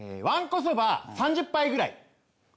わんこそば３０杯くらい。